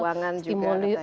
menteri keuangan juga